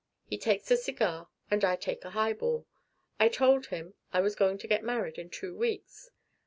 He takes a cigar, and I take a highball. I told him I was going to get married in two weeks.